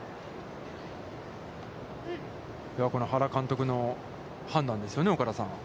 原監督の判断ですよね、岡田さん。